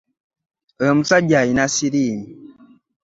Oyo omusajja alina ssiriimu.